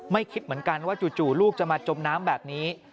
คิดเหมือนกันว่าจู่ลูกจะมาจมน้ำแบบนี้